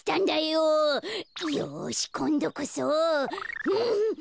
よしこんどこそ。